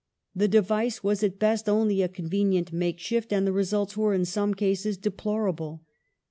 The device was at best only a convenient makeshift, and the results were in some cases deplorable.